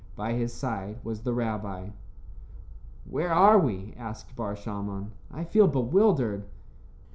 By his side was the rabbi. "Where are we?" asked Bar Shalmon. "I feel bewildered."